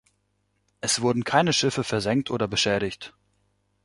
Es wurden keine Schiffe versenkt oder beschädigt.